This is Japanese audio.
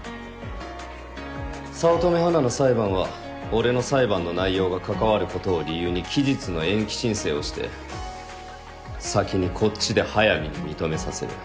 早乙女花の裁判は俺の裁判の内容が関わることを理由に期日の延期申請をして先にこっちで速水に認めさせる。